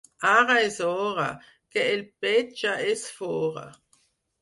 Ara és hora, que el pet ja és fora.